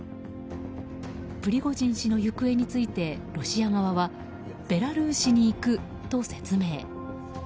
プリゴジン氏の行方についてロシア側はベラルーシに行くと説明。